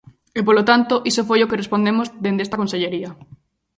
E, polo tanto, iso foi o que respondemos dende esta consellería.